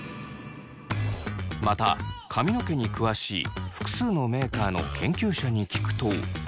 また髪の毛に詳しい複数のメーカーの研究者に聞くと。